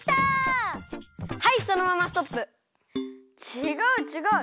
ちがうちがう！